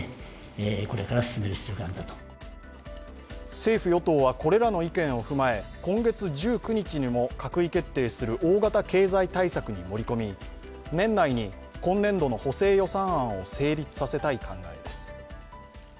政府・与党はこれらの意見を踏まえ今月１９日にも閣議決定する大型経済対策に盛り込み、年内に今年度の補正予算